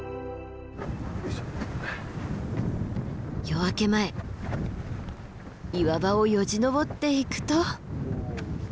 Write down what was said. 夜明け前岩場をよじ登っていくと。